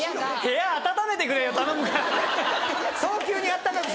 部屋暖めてくれ頼むから。